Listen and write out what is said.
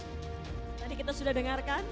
tadi kita sudah dengarkan